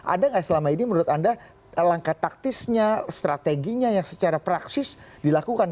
ada nggak selama ini menurut anda langkah taktisnya strateginya yang secara praksis dilakukan